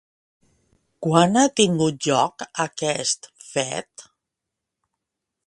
Quan ha tingut lloc aquest fet?